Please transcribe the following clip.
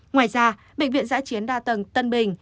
ngoài ra bệnh viện giã chiến đa tầng tân bình